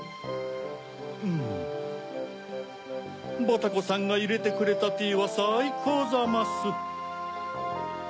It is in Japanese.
バタコさんがいれてくれたティーはさいこうザマス。